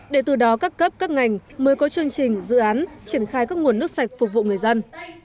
để từ đó các cấp các ngành mới có chương trình dự án triển khai các nguồn nước sạch phục vụ người dân